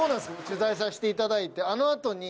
取材させていただいてあの後に。